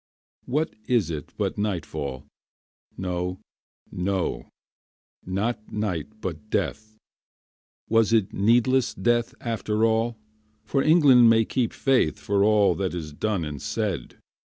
What is it but nightfall? No, no, not night but death; Was it needless death after all? For England may keep faith For all that is done and said.